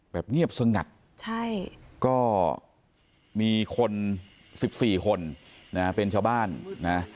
แบบเงียบสงัดใช่ก็มีคน๑๔คนนะเป็นชาวบ้านนะ